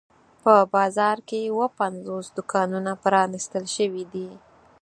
په بازار کې اووه پنځوس دوکانونه پرانیستل شوي دي.